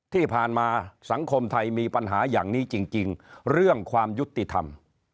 ที่ผ่านมาสังคมไทยมีปัญหาอย่างนี้จริงเรื่องความยุติธรรม